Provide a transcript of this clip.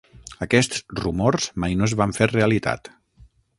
Aquests rumors mai no es van fer realitat.